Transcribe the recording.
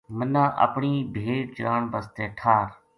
منا اپنی بھیڈ چران بسطے ٹھار